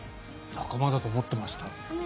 仲間だと思ってました。